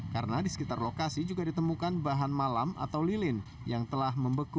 karena di sekitar lokasi juga ditemukan bahan malam atau lilin yang telah membeku